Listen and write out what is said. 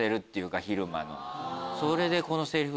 それでこのセリフ